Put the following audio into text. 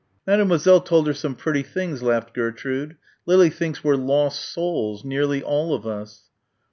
"Mademoiselle told her some pretty things," laughed Gertrude. "Lily thinks we're lost souls nearly all of us."